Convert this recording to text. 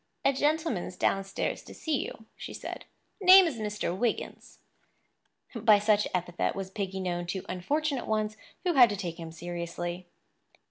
"A gentleman's downstairs to see you," she said. "Name is Mr. Wiggins." By such epithet was Piggy known to unfortunate ones who had to take him seriously.